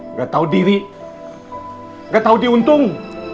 nggak tahu diri nggak tahu diuntung